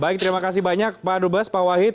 baik terima kasih banyak pak dubes pak wahid